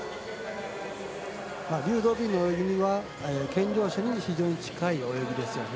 劉道敏の泳ぎには健常者に非常に近い泳ぎですよね。